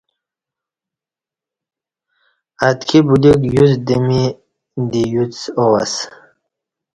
اتکی بلیوک یوڅ دمی دے یوڅ آو اسہ۔